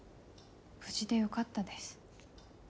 無事でよかったです。